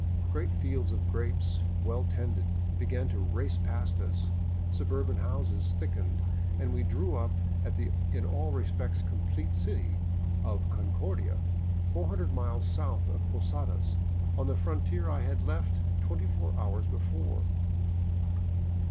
Great fields of grapes, well tended, began to race by us, subur ban houses thickened, and we drew up at the in all respects complete city of Concordia, four hundred miles south of Posadas on the frontier I had left twenty four hours before.